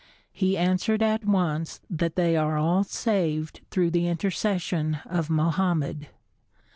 He answered at once that they are all saved through the intercession of Mohammed.